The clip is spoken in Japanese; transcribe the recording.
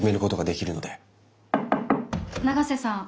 永瀬さん